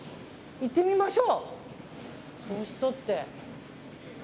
行ってみましょう。